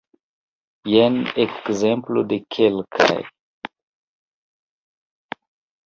Jen ekzemplo de kelkaj.